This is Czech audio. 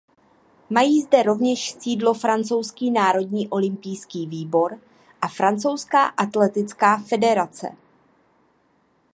Mají zde rovněž sídlo Francouzský národní olympijský výbor a Francouzská atletická federace.